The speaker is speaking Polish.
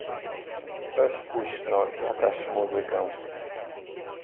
Weź puść no jakaś muzykę.